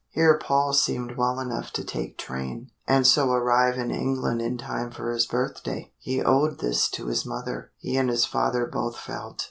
Here Paul seemed well enough to take train, and so arrive in England in time for his birthday. He owed this to his mother, he and his father both felt.